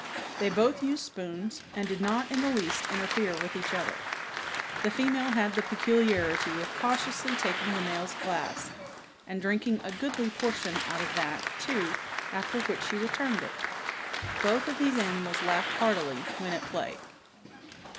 They both used spoons and did not in the least interfere with each other. The female had the peculiarity of cautiously taking the male's glass, and drinking a goodly portion out of that, too, after which she returned it. Both of these animals laughed heartily when at play.